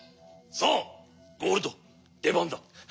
さあゴールドでばんだ。